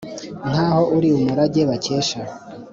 nk’aho ari umurage bakesha